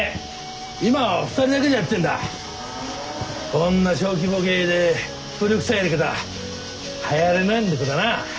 こんな小規模経営で古くさいやり方はやらねんだけどな。